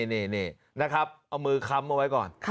นี่นะครับเอามือค้ำเอาไว้ก่อน